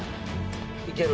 いける。